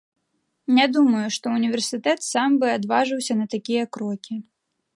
Не думаю, што ўніверсітэт сам бы адважыўся на такія крокі.